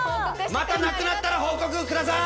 またなくなったら報告ください！